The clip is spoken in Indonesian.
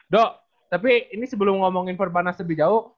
do tapi ini sebelum ngomongin purwanas lebih jauh